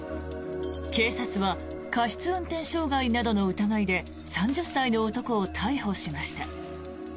警察は過失運転障害などの疑いで３０歳の男を逮捕しました。